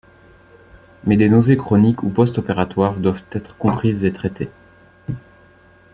Mais des nausées chroniques ou post-opératoires doivent être comprises et traitées.